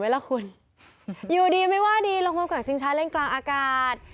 ไหมละคุณอยู่ดีไม่ว่าดีลงมากว้างชิงชาเล่นกลางอากาศ